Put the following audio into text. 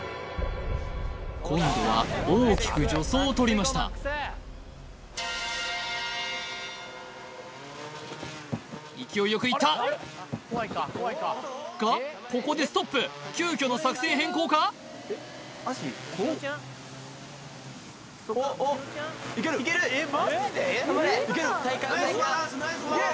今度は大きく助走をとりました勢いよくいったがここでストップ急きょの作戦変更か・ナイスバランスナイスバランス